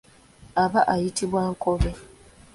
Aba ayitibwa Nkobe.